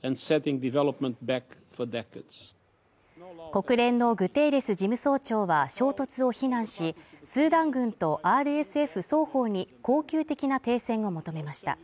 国連のグテーレス事務総長は衝突を非難し、スーダン軍とＲＳＦ双方に恒久的な停戦を求めました。